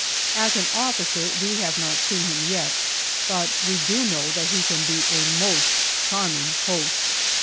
As an officer, we have not seen him yet, but we do know that he can be a most charming host.